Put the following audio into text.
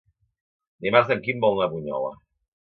Dimarts en Quim vol anar a Bunyola.